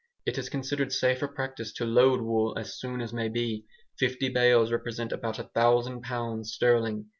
It is considered safer practice to load wool as soon as may be; fifty bales represent about a thousand pounds sterling.